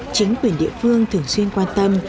chính quyền địa phương thường xuyên quan tâm